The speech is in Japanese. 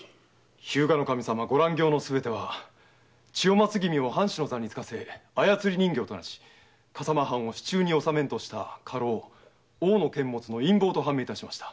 日向守様ご乱行はすべて千代松君を藩主の座につかせ操り人形とし笠間藩を手中に納めんとした家老・大野監物の陰謀と判明致しました。